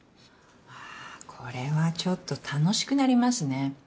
これはちょっと楽しくなりますね。